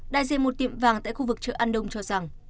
đại diện một tiệm vàng tại khu vực chợ an đông cho rằng